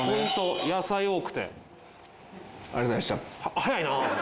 早いな。